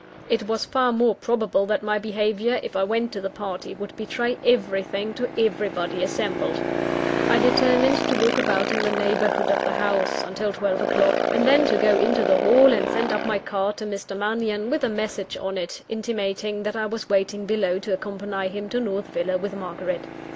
It was far more probable that my behaviour, if I went to the party, would betray everything to everybody assembled. I determined to walk about in the neighbourhood of the house, until twelve o'clock; and then to go into the hall, and send up my card to Mr. Mannion, with a message on it, intimating that I was waiting below to accompany him to North Villa with Margaret.